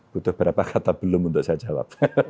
butuh berapa kata belum untuk saya jawab